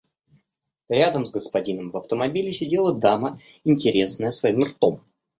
Рядом с господином в автомобиле сидела дама, интересная своим ртом.